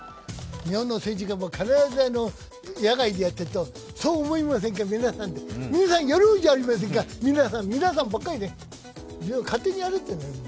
日本の政治家は野外でやってると必ずそう思いませんか、皆さん、皆さんやろうじゃありませんかって皆さん、皆さんばっかりで勝手にやれってんだ。